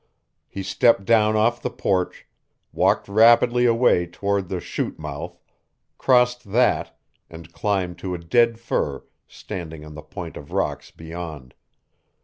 He stepped down off the porch, walked rapidly away toward the chute mouth, crossed that and climbed to a dead fir standing on the point of rocks beyond.